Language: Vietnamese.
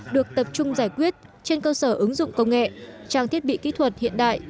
được tập trung giải quyết trên cơ sở ứng dụng công nghệ trang thiết bị kỹ thuật hiện đại